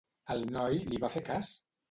El noi li va fer cas?